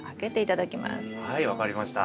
はい分かりました。